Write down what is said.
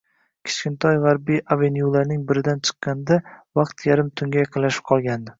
Kichkintoy g`arbiy avenyularning biridan chiqqanda vaqt yarim tunga yaqinlashib qolgandi